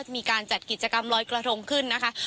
มีการจัดกิจกรรมลอยกระทงขึ้นนะคะ